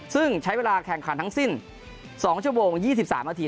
ซึ่งใช้เวลาแข่งขันทั้งสิ้น๒ชั่วโมง๒๓นาที